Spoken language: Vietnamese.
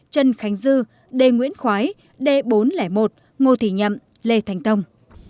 trần khánh dư đê nguyễn khoái đê bốn trăm linh một ngô thị nhậm lê thành tông